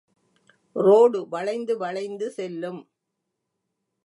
Road வளைந்து வளைந்து செல்லும்.